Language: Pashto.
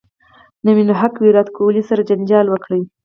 نوین الحق ویرات کوهلي سره جنجال وکړ